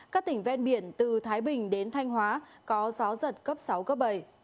các tỉnh ven biển từ thái bình đến thanh hóa có gió giật cấp sáu cấp bảy